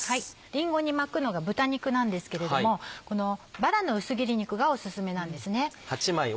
りんごに巻くのが豚肉なんですけれどもこのバラの薄切り肉がオススメなんですね。